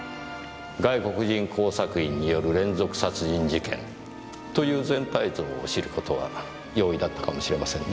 外国人工作員による連続殺人事件という全体像を知る事は容易だったかもしれませんね。